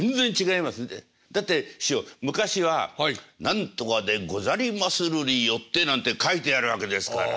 だって師匠昔は「何とかでござりまするりよ」ってなんて書いてあるわけですから。